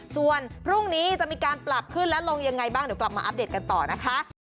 ส่วนพรุ่งนี้จะมีการปรับขึ้นและลงยังไงบ้างเดี๋ยวกลับมาอัปเดตกันต่อนะคะ